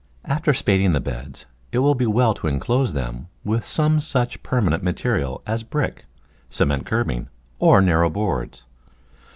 After spading the beds it will be well to inclose them with some such permanent material as brick, cement curbing, or narrow boards.